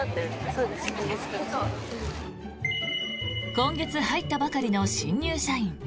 今月入ったばかりの新入社員。